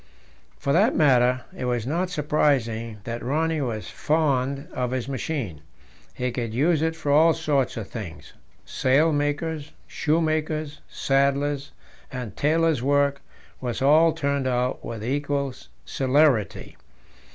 For that matter, it was not surprising that Rönne was fond of his machine. He could use it for all sorts of things sailmaker's, shoemaker's, saddler's, and tailor's work was all turned out with equal celerity.